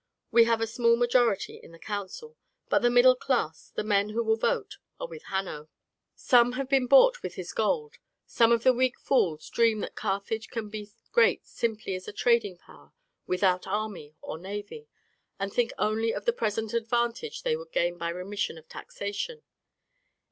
We have a small majority in the council, but the middle class, the men who will vote, are with Hanno. Some have been bought with his gold, some of the weak fools dream that Carthage can be great simply as a trading power without army or navy, and think only of the present advantage they would gain by remission of taxation.